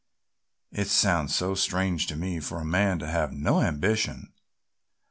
It sounds so strange to me for a man to have no ambition!"